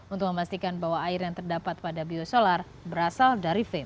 untuk memastikan bahwa air yang terdapat pada biosolar berasal dari fem